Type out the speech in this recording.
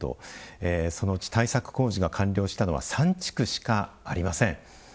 そのうち対策工事が完了したのは３地区しかありません。